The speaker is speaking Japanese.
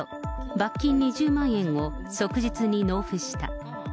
罰金２０万円を即日に納付した。